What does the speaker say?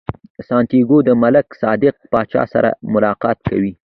سانتیاګو د ملک صادق پاچا سره ملاقات کوي.